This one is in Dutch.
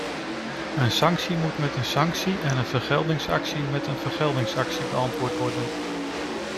Een sanctie moet met een sanctie en een vergeldingsactie met een vergeldingsactie beantwoord worden.